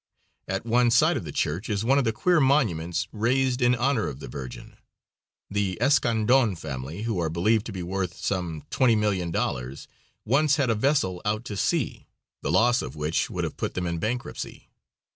At one side of the church is one of the queer monuments raised in honor of the Virgin. The Escandon family, who are believed to be worth some $20,000,000, once had a vessel out to sea, the loss of which would have put them in bankruptcy.